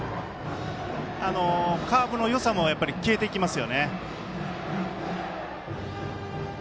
カーブのよさも消えていきます。